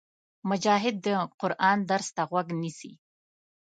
مجاهد د قرآن درس ته غوږ نیسي.